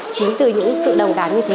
chính từ những sự đồng cảm như thế